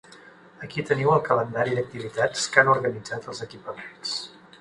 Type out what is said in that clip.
Aquí teniu el calendari d'activitats que han organitzat els equipaments.